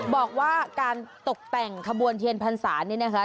บอกว่าการตกแต่งขบวนเทียนพรรษานี่นะคะ